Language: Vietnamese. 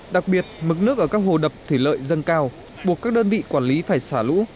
đặc biệt mức nước ở các hồ đập thủy lợi dâng cao buộc các đơn vị quản lý phải xả lũ